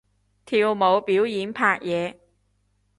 跳舞表演拍嘢